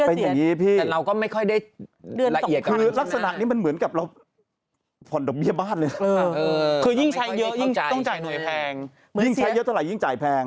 เป็นอย่างนี้พี่คือลักษณะนี้มันเหมือนกับเราพ่อนดอกเบี้ยบบ้านเลยนะคือยิ่งใช้เยอะต้องจ่ายหน่วยแพงยิ่งใช้เยอะเท่าไรยิ่งจ่ายแพง